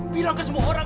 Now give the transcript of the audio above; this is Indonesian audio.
bilang ke semua orang